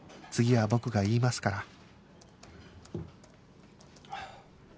次は僕が言いますから